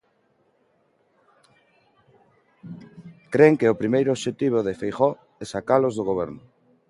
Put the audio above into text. Cren que o primeiro obxectivo de Feijóo é sacalos do Goberno.